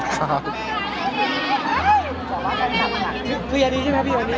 สวัสดีครับ